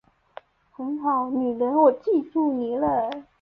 很好，女人我记住你了